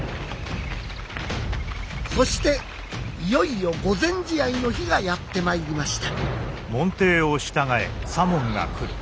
そしていよいよ御前試合の日がやってまいりました。